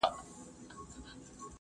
بې وزله خلګ د ټولني غړي دي.